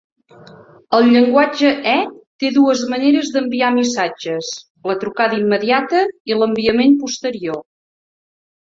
El llenguatge E té dues maneres d'enviar missatges: la trucada immediata i l'enviament posterior.